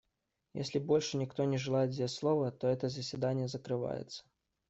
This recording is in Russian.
Если больше никто не желает взять слово, то это заседание закрывается.